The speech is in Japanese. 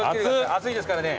熱いですからね。